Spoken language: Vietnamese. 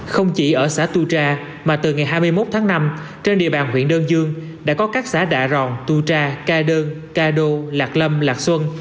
không chỉ ở xã tu tra mà từ ngày hai mươi một tháng năm trên địa bàn huyện đơn dương đã có các xã đạ ròn tu tra ca đơn ca đô lạc lâm lạc xuân